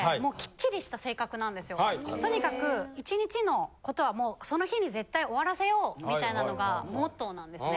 とにかく１日の事はもうその日に絶対終わらせようみたいなのがモットーなんですね。